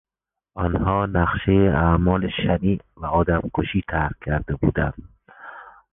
آنها نقشهی اعمال شنیع و آدمکشی طرح کرده بودند.